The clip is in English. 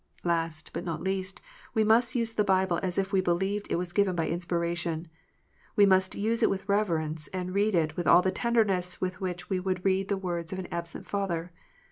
Last, but not least, we must use the Bible as if we believed it was given by inspiration. We must use it with reverence, and read it with all the tenderness with which we would read the words of an absent father.